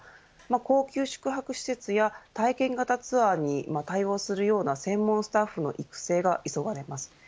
高級宿泊施設や体験型ツアーに対応するような専門スタッフの育成が急がれます。